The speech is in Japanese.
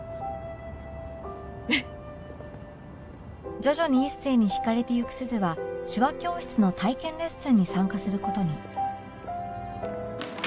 徐々に一星にひかれていく鈴は手話教室の体験レッスンに参加する事に